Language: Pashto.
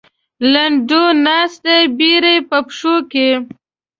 لنډو ناست دی بېړۍ په پښو کې.